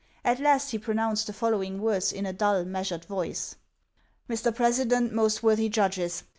At last he pro nounced the following words in a dull, measured voice: " Mr. President, most worthy judges